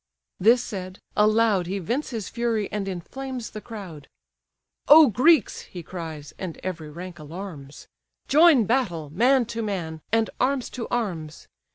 This said, aloud He vents his fury and inflames the crowd: "O Greeks! (he cries, and every rank alarms) Join battle, man to man, and arms to arms!